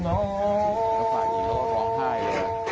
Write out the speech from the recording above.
จริงแล้วฟาอีโลร้องไห้เลยนะ